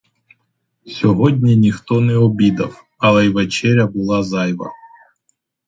Сьогодні ніхто не обідав, але й вечеря була зайва.